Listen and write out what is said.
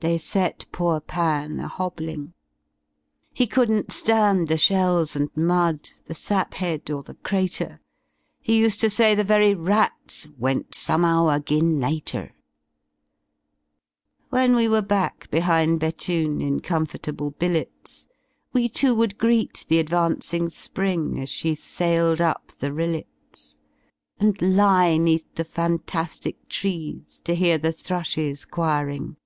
They set poor Pan a hobbling. 92 He couldn*t Stand the shells and mud^ The sap head or the crater ^ He used to say the very rats ^Went somehow agin Nater^ When we ivere back behind Bethune In comfortable billets^ We iiuo luould greet the advancing Spring uis she sailed up the rillets. And lie ^neath the fantastic trees To hear the thrmhes quiring.